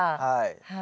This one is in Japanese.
はい。